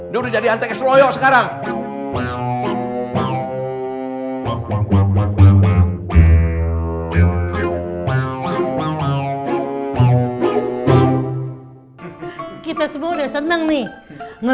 dia udah jadi antek es loyok sekarang